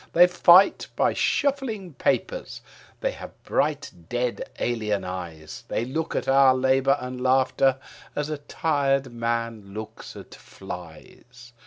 They fight by shuffling papers; they have bright dead alien eyes; They look at our labour and laughter as a tired man looks at flies.